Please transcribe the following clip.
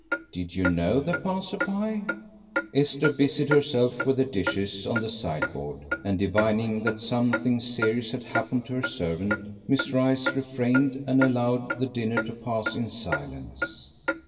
Did you know the passer by?" Esther busied herself with the dishes on the sideboard; and, divining that something serious had happened to her servant, Miss Rice refrained and allowed the dinner to pass in silence.